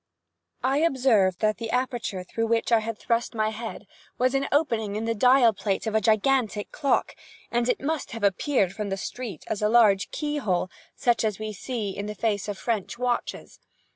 I observed that the aperture through which I had thrust my head was an opening in the dial plate of a gigantic clock, and must have appeared, from the street, as a large key hole, such as we see in the face of the French watches.